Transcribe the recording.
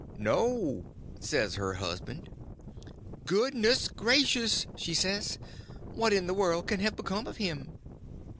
"No," says her husband. "Good ness gracious!" she says, "what in the warld can have become of him?"